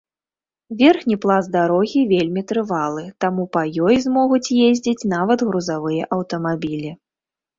Верхні пласт дарогі вельмі трывалы, таму па ёй змогуць ездзіць нават грузавыя аўтамабілі.